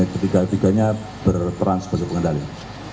ketiga tiganya berperan sebagai pengendali